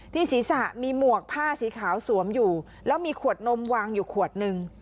ศีรษะมีหมวกผ้าสีขาวสวมอยู่แล้วมีขวดนมวางอยู่ขวดนึง